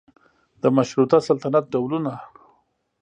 د مشروطه سلطنت ډولونه